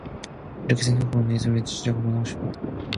이렇게 생각하고 나니 선비는 첫째를 꼭 만나 보고 싶었다.